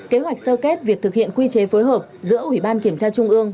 kế hoạch sơ kết việc thực hiện quy chế phối hợp giữa ủy ban kiểm tra trung ương